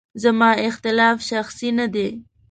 زما اختلاف شخصي نه دی.